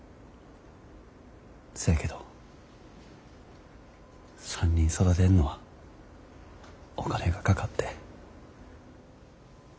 そやけど３人育てんのはお金がかかって。